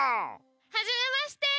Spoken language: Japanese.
はじめまして！